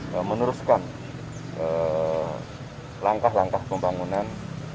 dan meneruskan langkah langkah pembangunan